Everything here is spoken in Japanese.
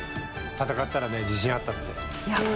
戦ったらね自信あったって。